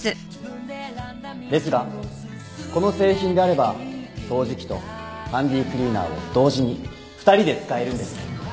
ですがこの製品であれば掃除機とハンディークリーナーを同時に２人で使えるんです。